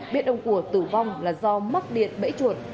biết ông của tử vong là do mắc điện bẫy chuột